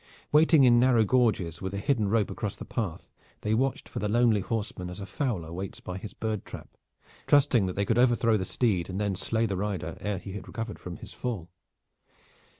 Waiting in narrow gorges with a hidden rope across the path, they watched for the lonely horseman as a fowler waits by his bird trap, trusting that they could overthrow the steed and then slay the rider ere he had recovered from his fall.